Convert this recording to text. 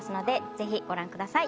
ぜひご覧ください。